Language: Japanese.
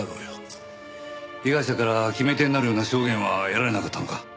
被害者から決め手になるような証言は得られなかったのか？